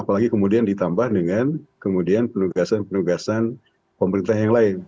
apalagi kemudian ditambah dengan kemudian penugasan penugasan pemerintah yang lain